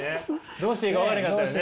どうしていいか分からへんかったよね。